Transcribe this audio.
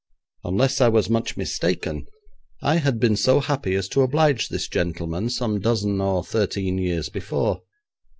Unless I was much mistaken, I had been so happy as to oblige this gentleman some dozen or thirteen years before.